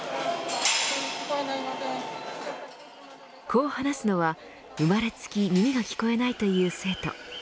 こう話すのは生まれつき耳が聞こえないという生徒。